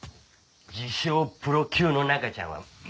自称プロ級の中ちゃんはまだか？